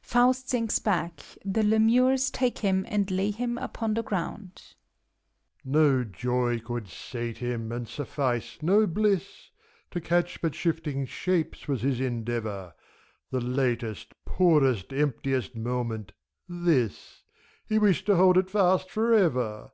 (Faust sirtks back: the Lemures take him and lay him upon the ground.) 242 FAUST. MEPHISTOPHELES. No joy could sate him, and suffice no bliss I To catch but shifting shapes was his endeavor : The latest, poorest, emptiest Moment — ^this, — He wished to hold it fast forever.